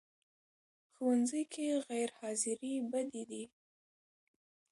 ښوونځی کې غیر حاضرې بدې دي